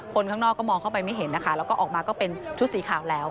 คนข้างนอกก็มองเข้าไปไม่เห็นนะคะแล้วก็ออกมาก็เป็นชุดสีขาวแล้ว